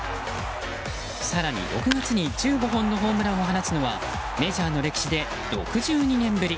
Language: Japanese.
更に６月に１５本のホームランを放つのはメジャーの歴史で６２年ぶり。